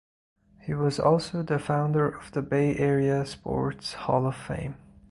He was also the founder of the Bay Area Sports Hall of Fame.